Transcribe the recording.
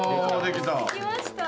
できました！